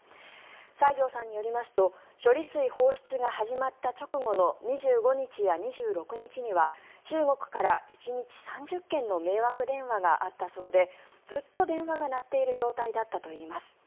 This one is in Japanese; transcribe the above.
西條さんによりますと処理水放出が始まった直後の２５日や２６日には中国から１日３０件の迷惑電話があったそうでずっと電話が鳴っている状態だったといいます。